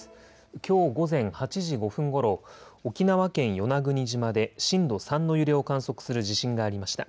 きょう午前８時５分ごろ沖縄県与那国島で震度３の揺れを観測する地震がありました。